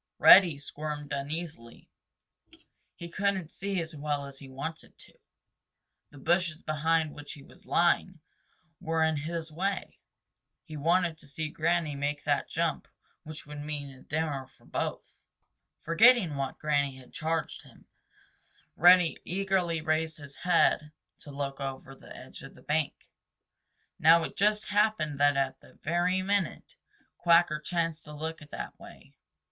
Reddy squirmed uneasily. He couldn't see as well as he wanted to. The bushes behind which he was lying were in his way. He wanted to see Granny make that jump which would mean a dinner for both. Forgetting what Granny had charged him, Reddy eagerly raised his head to look over the edge of the bank. Now it just happened that at that very minute Quacker chanced to look that way.